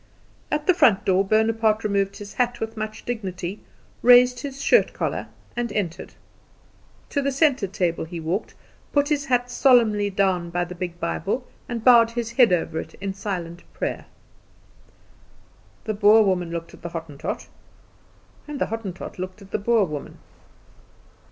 At the front door Bonaparte removed his hat with much dignity, raised his shirt collar, and entered. To the centre table he walked, put his hat solemnly down by the big Bible, and bowed his head over it in silent prayer. The Boer woman looked at the Hottentot, and the Hottentot looked at the Boer woman.